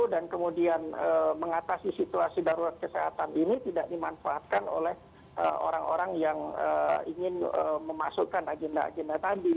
dan kemudian mengatasi situasi darurat kesehatan ini tidak dimanfaatkan oleh orang orang yang ingin memasukkan agenda agenda tadi